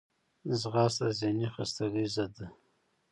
ځغاسته د ذهني خستګي ضد ده